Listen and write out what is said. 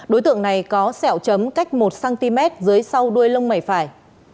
đối tượng này có sẹo chấm cách một cm dưới sau đuôi lông mẩy phải